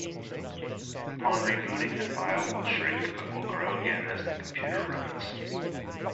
Upon rebooting the file will shrink but will grow again as the computer runs.